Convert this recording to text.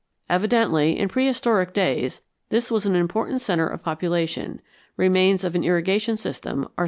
Evidently, in prehistoric days, this was an important centre of population; remains of an irrigation system are still visible.